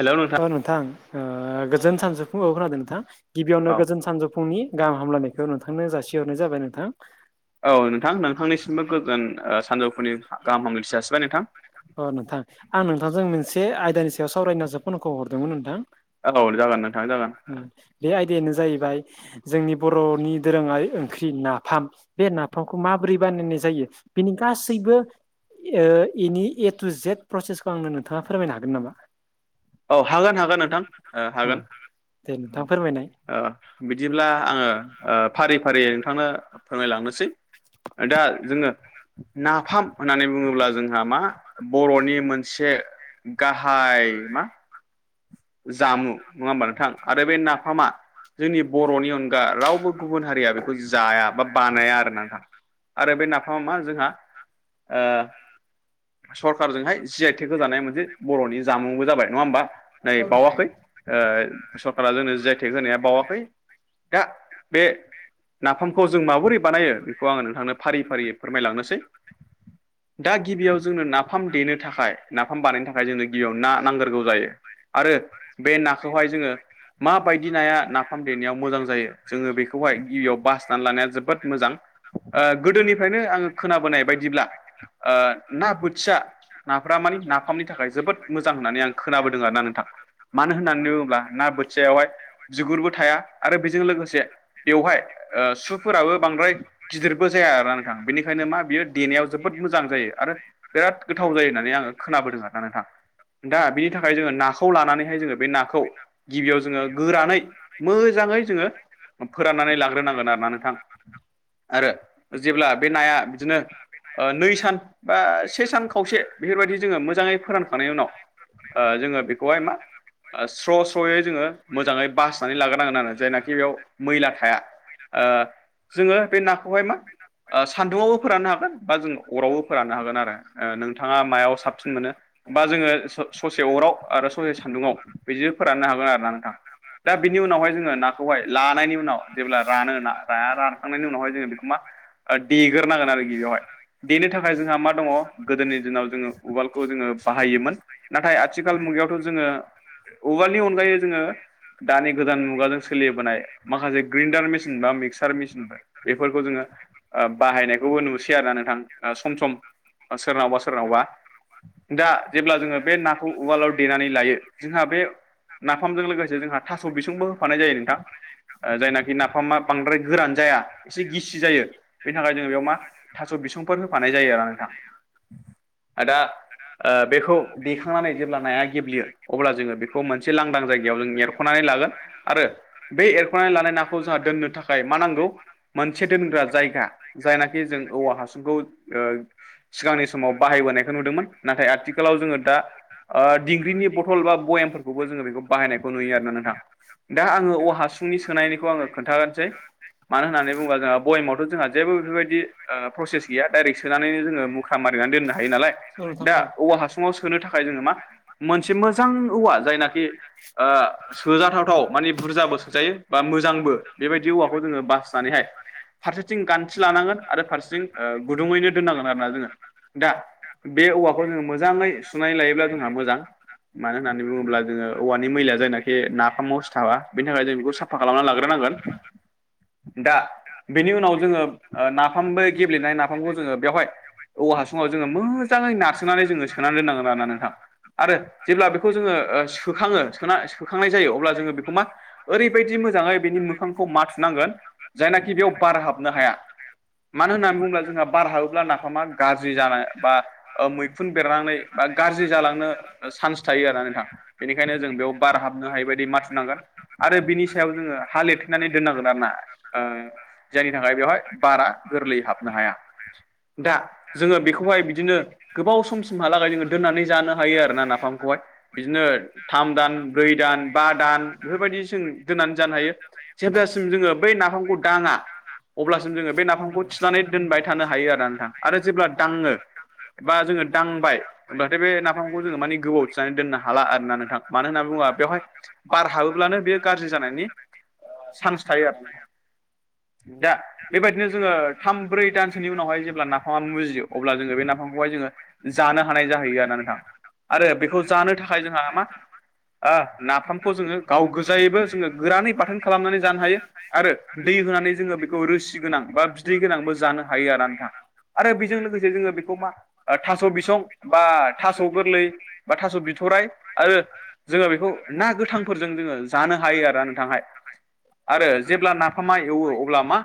हेल नोंथां औ नोंथां गोजोन सानजोब औ खोनादों नोंथां? गिबियावनो गोजोन सानजौफुंनि गाहाम हामलायनायखौ नोंथांनो जासिहरनाय जाबाय नोंथां। औ नोंथां नोंथांनिसिमबो गोजोन सानजौफोरनि गाहाम हामलायथि जासिबाय नोंथां। अ नोंथां आं नोंथांजों मोनसे आयदानि सायाव सावरायना नो फनखौ हरदोंमोन नोंथां? औ जागोन नोंथां जागोन बे आयदायानो जाहैबाय जोंनि बर'नि दोरोङारि ओंख्रि नाफाम बे नाफामखौ माबोरै बानायनाय जायो? बेनि गासैबो बेनि एटु जेद प्रसेसखौ आंनो नोंथाङा फोरमायनो हागोन नामा औ हागोन हागोन नोंथां हागोन नोंथां फोरमायनाय बिदिब्ला आङो फारि फारि नोंथांनो फोरमायलांनोसै दा जोङो नाफाम होननानै बुङोब्ला जोंहा मा बर'नि मोनसे गाहाय मा जामु नङा होमबा नोंथां आरो बे नाफामा जोंनि बर'नि अनगा रावबो गुबुन हारिया बेखौ जाया बा बानाया आरो नाोंथा आरो बेनो [unintelligible] ओ सरखारारजोंहाय जि आइ टेक होजानाय मोनसे बर'नि जामुंबो जाबाय नङा होमबा नै बावाखै सरकारा जोंनो जायटे होनाया बावाखै दा बे नाफामखौ जों माबोरै बानायो बेखौ आङो नोंथांनो फारि फारि फोरमायलांनोसै दा गिबियाव जोंनो नाफाम देनो थाखाय नाफाम बानायनो थाखाय जोंनो गिबियाव ना नांग्रगौ जायो बे मा म जाय [unintelligible] [unintelligible] मा फुसा हग [unintelligible] मान आं खोनाबोदों आर ना नोंथां? मानो होननानै बुंङोब्ला ना बोथियावहाय बिगुरबो थाया आरो बेजों लोगोसे थाल [unintelligible] मा बियो देनायाव जोबोद मोजां जायो आरो बिराद गोथाव जायो होननानै आङो खोनाबोदों आर ना नोंथां दा बिनि थाखाय जोंङो ना। लानानैहाय जोंङो बे नाखौ गिबियाव जोङो गोरानै मोजाङै जोङो फोराननानै लाग्रोनांगोन आरो ना नोंथां आरो जेब्ला बे नाया बिदिनो नै सान बा से सान खावसे बेफोरबायदि जोङो मोजाङै फोरानखांनायनि उनाव जोङो बेखौहाय मा ओ स्र' स्र'यै जोङो मोजाङै बासिनानै लाग्रोनांगोन आरो जायनाखि बेयाव मैला थाया। [unintelligible] ओ सान्दुआवबो फोरानो हागोन बा जों बा जोङो ससे अराव आरो ससे सान्दुङाव बिदि फोराननो हागोन आरो ना नोंथाङा दा बिनि उनावहाय जोङो नाखौहाय लानायनि उनाव जेब्ला रानो ना रानखांनायनि उनावहाय जोङो बेखौ मा देग्रोनांगोन आरोखि बेवहाय देनो थाखाय जोंहा मा दङ गोदोनि दिनाव जोङो उवालखौ जोङो बाहायोमोन नाथाय आथिखाल मुगायावथ' जोङो औवालनि अनगायै जोङो दानि गोदान मुगाजों सोलिबोनाय माखासे ग्रेडार मेसििन बा मिक्सार मेसिनफोर बेफोरखौ जोङो बाहायनायखौबो नुसै आरोना नोंथां सम सम सोरनावबा सोरनावबा दा जेब्ला जोङो बे नाखौ उवालाव देनानै लायो जोंहा बे [inaudible] जायनाखि नाफामा बांद्राय गोरान जाया एसे गिसि जायो बेनि थाखाय जोङो बेयाव मा थास' बिसुंफोर होफानाय जायो आरो नोंथां [inaudible] आदा ओ बेखौ दैखांनानै जेब्ला नाया गेब्लेयो अब्ला जोङो बेखौ मोनसे लांदां जायगायाव जों एरख'नानै लागोन आरो बे एरख'नानै लानाय नाखौ जोंहा दोननो थाखाय मा नांगौ मोनसे दोनग्रा जायगा। जायनाखि जों औवा हासुंखौ ओ सिगांनि समाव बाहायबोनायखौ नुदोंमोन। नाथाय आथिखालाव जोङो दा ओ दिंग्रिनि बथल बा बयेमफोरखौबो जोङो बेखौ बाहायनायखौ नुयो आरोना नोंथा। दा आङो औ हासुंनि सोनायनिखौ आङो खोन्थानोसै मानो होननानै बुङोबा जोंहा बयेमावथ' जोंहा जेबो बेफोरबायदि ओ प्रसेस गैया दडाइरेक सोनानै जोङो मु ख्रा मारिनानै दोननो हायो नालाय। [unintelligible] मोनसे मोजां औवा जायनाखि ओ सोजाथावथाव मानि बुरजाबो सोजायो। बा मोजांबो बेबायदि औवाखौ जोङो बासिनानैहाय फारसेथिं गान्थि लानांगोन आरो फारसेथिं ओ गुदुङैनो दोननांगोन आरो ना जोङो दा बे औवाखौ जोङो मोजाङै स [unintelligible] लायोब्ला जोंहा मोजां। मानो होननानै बुङोब्ला जोङो औवानि मैलाया जायनाखि नाफामाव सिथाबा बेनि थाखाय जों बेखौ सा फा खालामना लाग्रोनांगोन। [unintelligible] औवा हासुङाव जोङो मोजाङै नारसोनानै जोङो सोनानै दोननांगोन आरो ना नोंथां। आरो जेब्ला बेखौ जोङो ओ सोखाङो [unintelligible] सोखांनाय जायो अब्ला जोङो बेखौ मा ओरैबायदि मोजाङै बेनि मोखांखौ माथुनांगोन जायनाखि बेयाव बार हाबनो हाया। मानो होननानै बुङोब्ला जोंहा बार हाबोब्ला नाफामा गाज्रि जानाय बा मैखुन बेरनानै बा गाज्रि जालांनो ओ चान्स थायो आरो नोंथां बेनिखायनो जों बेयाव बार हाबनो हायै बायदि माथुनांगोन। [unintelligible] [unintelligible] [unintelligible] जानो हायो आरो [unintelligible] नाफामखौहाय बिदिनो थाम दान ब्रै दान बा दान बेफोरबायदि जों दोननानै जानो हायो। जेब्लासिम जोङो बै नाफामखौ दाङा अब्लासिम जोङो बे नाफामखौ थिनानै दोनबाय थानो हायो आरोना नोंथां आरो जेब्ला दाङो [unintelligible] दांबाय होनब्लाथाय' बे नाफाम [unintelligible] गोबाव थिनानै दोननो हाला आरोना नोंथां मानो होननानै बुंबा बेवहाय बार हाबोब्लानो बे [unintelligible] दा बेबायदिनो जोङो थाम ब्रै दानसोनि उनावहाय जेब्ला नाफामा मुजियो अब्ला जोङो बे नाफामखौहाय जोङो जानो हानाय जाहैयो आरो ना नोंथां। [unintelligible] ओ नाफामखौ जोङो गाव गोजायैबो जोङो गोरानै बाथोन खालामनानै जानो हायो। [unintelligible] आरो बेजों लोगोसे जोङो बेखौ मा ओ थास' बिसं बा थास' [unintelligible] जानो हायो आरो नोंथांहाय आरो जेब्ला नाफामा एवो अब्ला मा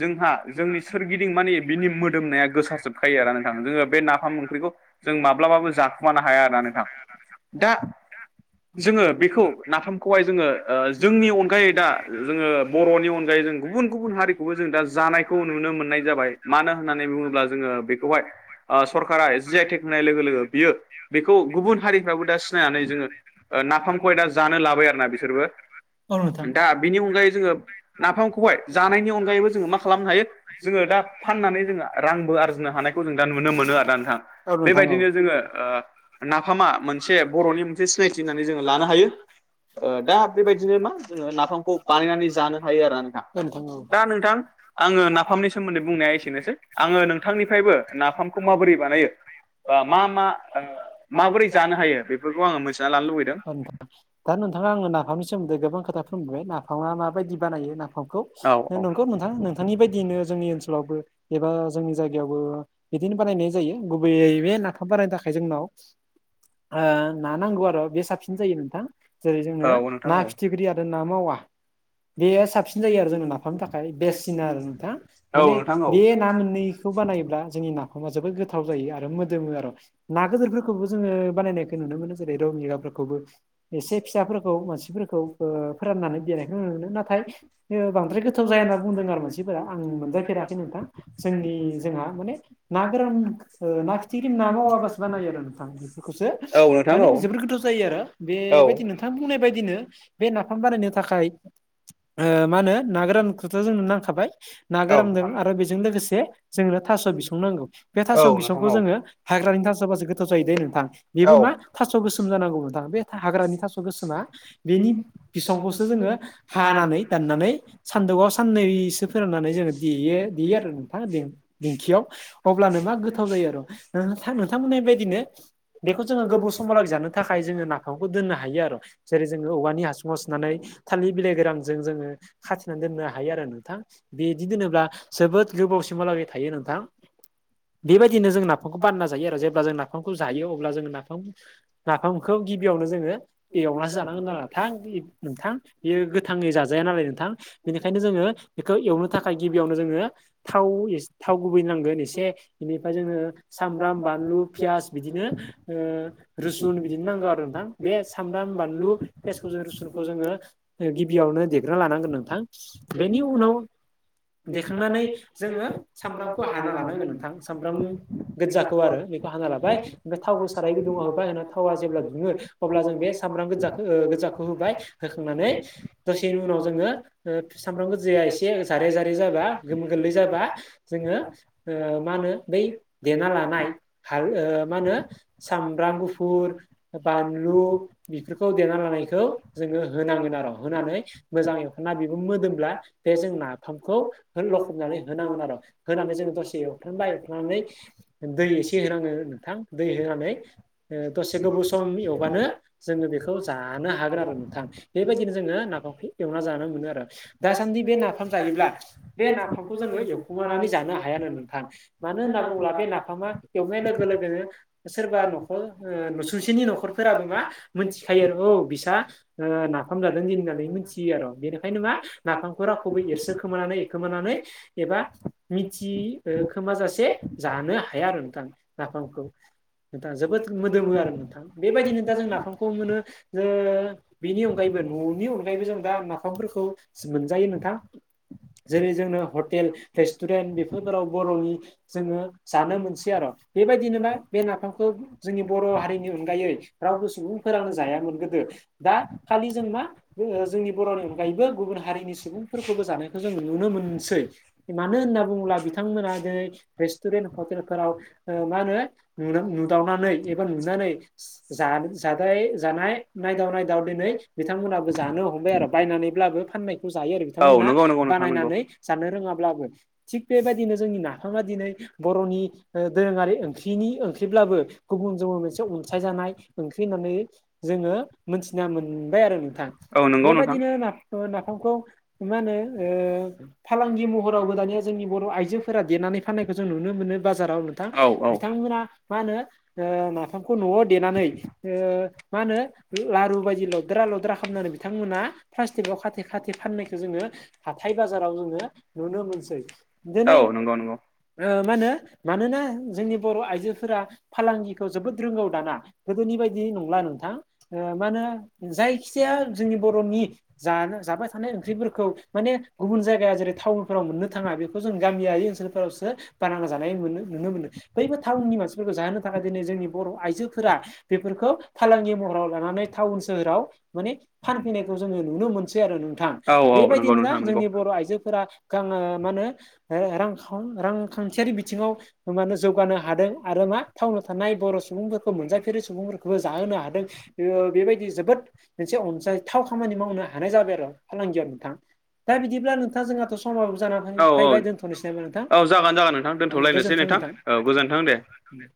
जोंहा जोंनि सोरगिदिं मानि बिनि मोदोमनाया गोसार जोब खायो आरो [unintelligible] बे नाफाम ओंख्रिखौ जों माब्लाबाबो जा खुमानो हाया आरोना नोंथां दा जोङो बेखौ नाफामखौहाय जोङो ओ जोंनि अनगायै दा जोङो बर'नि अनगायै जों गुबुन गुबुन हारिखौबो जों दा जानायखौ नुनो मोन नाय जाबाय मानो होननानै बुङोब्ला जोङो बेखौहाय ओ सरकारा जि-आइ-टेक होनाय लोगो लोगो बियो बेखौ गुबुन हारिफ्राबो दा सिनायनानै जोङो ओ नाफामखौहाय दा जानो लाबाय आरो ना बिसोरबो। औ नोंथां। हायो जोङो दा फाननानै जोङो रांबो आरजिनो हानायखौ जों दा नुनो मोनो मोनो आरोदा नोंथां बेबायदिनो जोङो नाफामा मोनसे बर'नि मोनसे सिनायथि होननानै जोङो लानो हायो दा बेबायदिनो मा जोङो नाफामखौ बानायनानै जानो हायो आरोा नोंथां दा नोंथां आङो नाफामनि सोमोन्दै बुंनाया एसेनोसै आङो नोंथांनिफ्रायबो नाफाम माबोरै बानायो ब मा मा माबोरै जानो हायो बेफोरखौ आङो मोनथिना लानो लुबैदों दा नोंथाङा आंनो नाफामनि सोमोन्दै गोबां खोथा बुंबोबाय नाफाङा माबायदि बानायो नाफामखौ नंगौ नोंथां नोंथांनि बायदियैनो जोंनि ओनसोलावबो एबा जोंनि जायगायावबो बिदिनो बानायनाय जायो गुबैय बे नाफाम बानायनो थाखाय जोंनाव ना नांगौ आरो बे साबसिन जायो नोंथां जेरै जोंनो ना फिथिख्रि आरो ना मावा बेयो साबसिन जायो आरो जोंना नाफामनि थाखाय बेस्सिना आरो नोंथां माने बे ना मोननैखौ बानायोब्ला जोंनि नामा जोबोद गोथाव जायो आरो मोदोमो आरो ना गदोरफोरखौबो जोङो बानायनायखौ नुनो मोनो जेरै रौ मिगाफोरखौबो एसे फिसाफोरखौ मानसिफोरखौ फोराननानै बेरायखौ आ नाथाय बांद्राय गोथाव जाया होनना बुंदों आरो मानसिफोरा आं मोनजाफेराखै नोंथां जोंनि जोंहा माने ना गोरान ना खिथिख्रि ना मावाबासो बानायो आरो नोंथां बेफोरखौसो माने जोबोर गोथाव जायो आरो बेबायदि नोंथां बुंनाय बायदिनो बे नाफाम बानायनो थाखाय मा होनो ना गोरानखौथ' जोंनो नांखाबाय ना गोरामदों आरो बेजों लोगोसे जोंनो थास' बिस संनांगौ बे थास'ं बिसंखौ जोङो हाग्रानि थास'बासो गोथाव जायो दैे नोंथां बेबो मा थास' गोसोम जानांगौ नोंथांा बे हाग्रानि थास' गोसोमा बेनि बिसांखौसो जोङो हानानै दाननानै सानदुगआव साननैसो फोराननानै जोङो देयो देयो आरो नोंथां दिंखियाव अब्लानो मा गोथाव जायो आरो' नोंथांमोननाय बायदिनो बेखौ जोङो गोबाव समावलागै जानो थाखाय जोङो नाफामखौ दोननो हायो आरो जेरै जोङो औवानि हासुङाव सुनानै थालिर बिलाइग रांजों जोङो खाथिनानै दोननो हायो आरो नोंथां बिदि दोनोब्ला जोबोद गोबावसिमहालागै थायो नोंथां बेबायदिनो जों नाफामखौ बानना जायो आरो जेब्ला जों नाफखौ जायो अब्ला जों नाफाम नाफामखौ गिबियावनो जोङो एवनासो जानांगोन नोंथां नोंथां बेयो गोथाङै जाजाया नालाय नोंथां बेनिखायनो जोङो बेखौ एवनो थाखाय गिबियावनो जोङो थाव थाव गुबैनांगोन एसे बेनिफ्राय जोङो सामब्राम बानलु पियास बिदिनो ओ रुसुन बिदिनो नांगौ आरो नोंथां बे सामब्राम बानलु फेसखौ जों रुसुनखौ जोङो गिबियावनो देगना लानांगोन नोंथां बेनि उनाव देखांनानै जोङो सामब्राम खौ हाना लानांगो नोंथां सामफ्राम गो्जाखौ आरो बेखौ हाना लाबाय ओमफ्राय थावखौ सारायबो दङ होबाय होन थावा जेब्ला दुङो अब्ला जों बे सामब्राम गोजाखौ गोजाखौ होबाय होखांनानै दसेनि उनाव जोङो सामब्राम गोजाया एसे जारे जारे जाबा गोमो गोरलै जाबा जोङो मा होनो बै देना लानाय हाल मा होनो सामब्राम गुफुर बानलु बेफोरखौ देना लानायखौ जोङो हो होनांगोन आरो होनानै मोजां एवखा बिबो मोदोमब्ला बे जों नाफामखौ लखबनानै होनांगोन आरो होनानै जोङो दसे एवख्रांबाय एव्रांनानै दै एसे होनाङो नोंथां दै होनानै दसे गोबाव सम एवबानो जोङो बेखौ जानो हागोन आरो नोंथां बेबायदिनो जोङो नाफामखौ एवना जानो मोनो आरो दासान्दि बे नाफाम जायोब्ला बे नाफामखौ जोङो एवखनानै जानो हा यानो नोंथां मानो होनना बुङोब्ला बे नाफामा एवनाय लोगो लोगोनो सोरबा न'खर नसुंसेनि न'खरफोराबो मा मोनथिखायो। औ बिसा ओ ना नाफाम जादों जे होननानै मिथियो आरो बेनिखायनोङा नाफामखौ रावखौबो एरसो खोमानानै एरखोमानानै एबा मिथि खोमाजासे जानो हाया आरो नोंथां नाफामखौ। नोंथां जोबोद मोदोमो आरो नोंथां बेबायदिनो दा जों नाफामखौ मोनो ओ बेनि अनगायैबो न'नि अनगायैबो जों दा नाफामफोरखौ मोनजायो नोंथां। जेरै जोंनो हटेल रेस्टुरेन्ट बे फोदाराव बर'नि जोङो जानो मोनसै आरो बेबायदिनोबा बे नाफामखौ जोंनि बर' हारिनि अनगायै रावबो सुबुंफोरानोनो जायामोन गोदो दा खालि जों मा जोंनि बर'नि अनगायैबो गुबुन हारिनि सुबुंफोरखौबो जानायखौ जों नुनो मोनसै। मानो होन बुंब्ला बिथांमोना दिनै रेस्टुरेन्ट हटेलफोराव मा होनो नुदावनानै एबा नुनानै जादाय जानाय नायदाव नायदाव दिनै बिथांमोनाबो जानो हमबाय आरो बायनानैब्लाबो फाननायखौ जायो आरो बिथांमोना बानायनानै जानो रोङाब्लाबो। बेबायदिनो जोंनि नाफामा दिनै बर'नि दोरोङारि ओंख्रिनि ओंख्रिब्लाबो गुबुनजों मोनसे अनसायजानाय ओंख्रि होननानै जोङो मोनथिना मोनबाय आरो नोंथां। बेबायदिनो नाफामखौ मा होनो ओ फालांगि महरावबो दानिया जोंनि बर' आइजोफोरा देरनानै फाननायखौ जों नुनो मोनो बाजाराव नोंथां बिथांमोना मा होनो ओ नाफामखौ न'आव देनानै ओ मा होनो लारु बायदि लद्रा लद्रा खालामनानै बिथांमोना प्लास्टिकाव खाथे खाथे फाननायखौ जोङो हाथाय बाजाराव जोङो नुनो मोनसै। औ नंगौ नंगौ। ओ मा होनो मानोना जोंनि बर' आइजोफोरा फालांगिखौ जोबोद रोंगौ दाना। गोदोनि बायदि नंला नोंथां ओ मा होनो जायखिजाया जोंनि बर'नि जानो जाबाय थानाय ओंख्रिफोरखौ माने गुबुन जायगाया जेरै टाउनफोराव मोननो थाङा बे खौ जों गामियारि ओनसोलफोरावसो बानांना जानायो नुनो मोनो बैबो टाउननि मानसि जाहोनो थाखाय दिनै जोंनि बर' आइजोफोरा बेफोरखौ फालांगि महराव लानानै टाउन सोहोराव माने फानफैनायखौ जोङो नुनो मोनसै आरो नोंथां बेबायदिनो ना जोंनि बर' आइजोफोरा गां मा होनो रांखाव रां खान्थियारि बिथिङाव मानो जौगानो हादों आरो मा टाउनाव थानाय बर' सुबुंफोरखौ मोनजाफेरै सुबुंफोर खौ जाहोनो हादों बेयो बेबायदि जोबोद मोनसे अनसायथाव खामानि मावनो हानाय जाबाय आरो फालांगियाव नोंथां दा बिदिब्ला नोंथा जोंहाथ' समाब जानानै फैबाय दोनथ'नोसै नामा नोंथां। जागोन जागोन नोंथां दोनथ'लायनोसै नोंथां औ गोजोन्थों दे। थांदे।